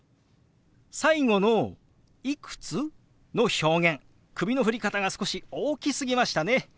最後の「いくつ？」の表現首の振り方が少し大きすぎましたね。